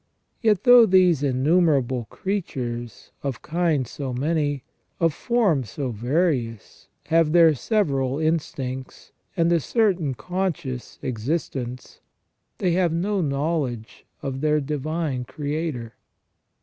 Yet though these innumerable creatures, of kinds so many, of forms so various, have their several instincts, and a certain conscious existence, they have no knowledge of their Divine Creator.